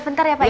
bentar ya pak